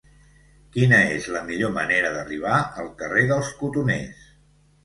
Quina és la millor manera d'arribar al carrer dels Cotoners?